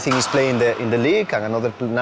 อย่างที่หายทีมชาติไปยังเกียรติยศเนี้ยกลับมาก็เป็นหลายคนที่